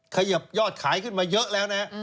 ขยับยอดขายขึ้นมาเยอะแล้วนะ